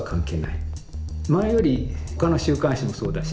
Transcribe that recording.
前よりほかの週刊誌もそうだし